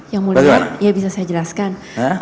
bagaimana ya bisa saya jelaskan